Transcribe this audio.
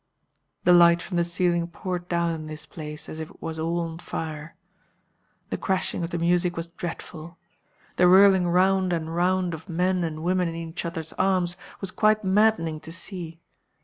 The light from the ceiling poured down in this place as if it was all on fire. The crashing of the music was dreadful. The whirling round and round of men and women in each other's arms was quite maddening to see.